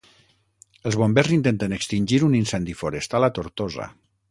Els bombers intenten extingir un incendi forestal a Tortosa.